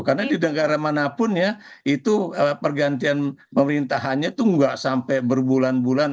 karena di negara manapun ya itu pergantian pemerintahannya itu nggak sampai berbulan bulan